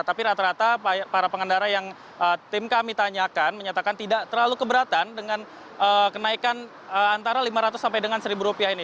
tapi rata rata para pengendara yang tim kami tanyakan menyatakan tidak terlalu keberatan dengan kenaikan antara lima ratus sampai dengan seribu rupiah ini